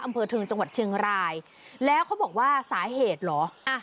อำเภอเทิงจังหวัดเชียงรายแล้วเขาบอกว่าสาเหตุเหรออ่ะ